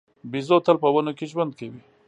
بیزو تل په ونو کې ژوند کوي.